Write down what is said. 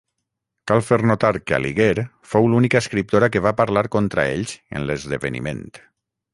Cal fer notar que Aliguer fou l'única escriptora que va parlar contra ells en l'esdeveniment.